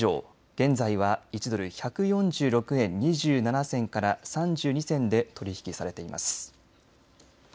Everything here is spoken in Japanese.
現在は１ドル１４６円２７銭から３２銭で取引されています。